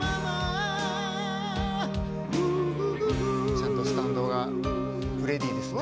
ちゃんとスタンドがフレディですね。